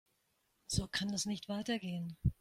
So kann es nicht weitergehen.